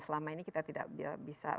selama ini kita tidak bisa